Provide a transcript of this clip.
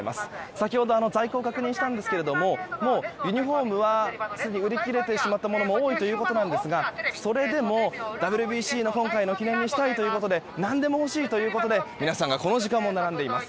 先ほど在庫を確認したんですがもうユニホームは売り切れてしまったものも多いということなんですがそれでも、ＷＢＣの今回の記念にしたいということで何でも欲しいということで皆さんがこの時間も並んでいます。